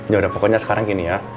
ya udah pokoknya sekarang gini ya